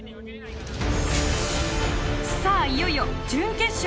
さあいよいよ準決勝！